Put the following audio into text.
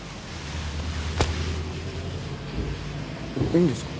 いいんですか？